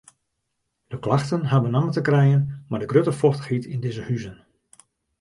De klachten ha benammen te krijen mei de grutte fochtichheid yn dizze huzen.